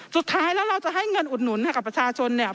สุดท้ายแล้วเราจะให้เงินอุดหนุนให้กับประชาชนเนี่ย